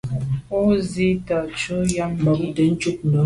O zwi’t’a ntshu am ké.